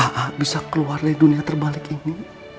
aa bisa keluar dari dunia terbalik ini